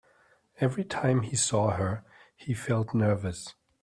Every time he saw her, he felt nervous.